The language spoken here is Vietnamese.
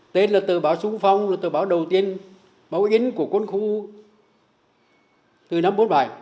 tên là tờ báo sung phong tờ báo đầu tiên báo in của quân khu từ năm một nghìn chín trăm bốn mươi bảy